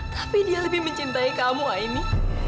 tapi dia lebih mencintai kamu ini